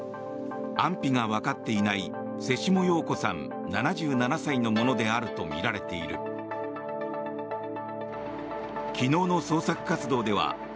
安否がわかっていない瀬下陽子さん、７７歳のものであるとみられている。